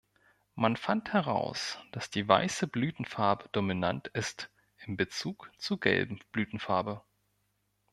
Man fand heraus, dass die weiße Blütenfarbe dominant ist in Bezug zur gelben Blütenfarbe.